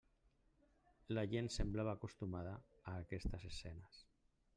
La gent semblava acostumada a aquestes escenes.